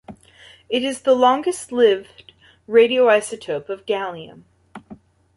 It is the longest-lived radioisotope of gallium.